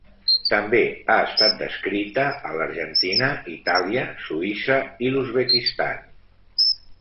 També ha estat descrita a l'Argentina, Itàlia, Suïssa i l'Uzbekistan.